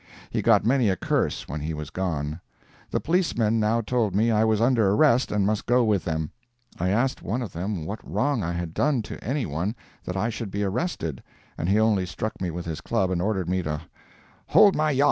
He got many a curse when he was gone. The policemen now told me I was under arrest and must go with them. I asked one of them what wrong I had done to anyone that I should be arrested, and he only struck me with his club and ordered me to "hold my yop."